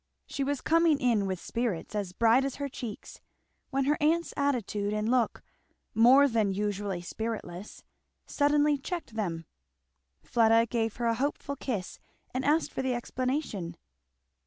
She was coming in with spirits as bright as her cheeks, when her aunt's attitude and look, more than usually spiritless, suddenly checked them. Fleda gave her a hopeful kiss and asked for the explanation.